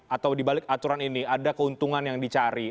atau dibalik aturan ini ada keuntungan yang dicari